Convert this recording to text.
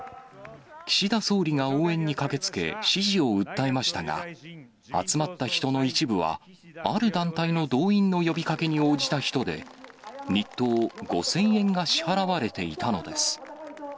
岸田総理が応援に駆けつけ、支持を訴えましたが、集まった人の一部は、ある団体の動員の呼びかけに応じた人で、日当５０００円が支払われていたのです。